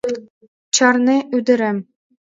Чарне, ӱдырем!